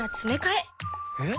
えっ？